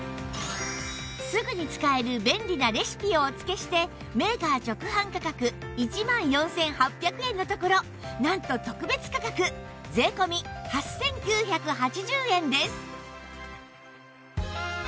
すぐに使える便利なレシピをお付けしてメーカー直販価格１万４８００円のところなんと特別価格税込８９８０円です